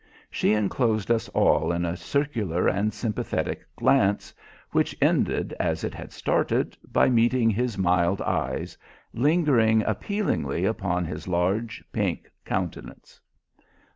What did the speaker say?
She enclosed us all in a circular and sympathetic glance, which ended, as it had started, by meeting his mild eyes, lingering appealingly upon his large, pink countenance.